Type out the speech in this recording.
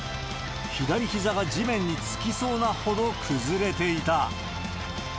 左ひざが地面につきそうなほど崩れていた。